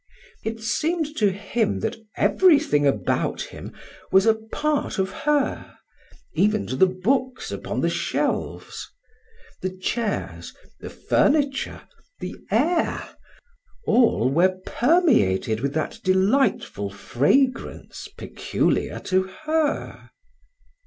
It seemed to him that everything about him was a part of her, even to the books upon the shelves. The chairs, the furniture, the air all were permeated with that delightful fragrance peculiar to her.